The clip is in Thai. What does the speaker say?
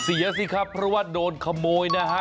เสียสิครับเพราะว่าโดนขโมยนะฮะ